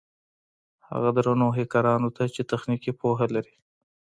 هغو درنو هېکرانو ته چې تخنيکي پوهه لري.